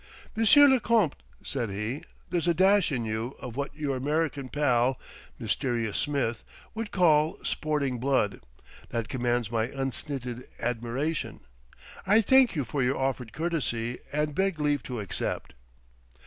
"Monsieur le Comte," said he, "there's a dash in you of what your American pal, Mysterious Smith, would call sporting blood, that commands my unstinted admiration. I thank you for your offered courtesy, and beg leave to accept."